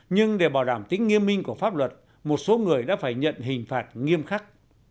nhưng để bảo đảm tính nghiêm minh của pháp luật một số người đã phải nhận hình phạt nghiêm khắc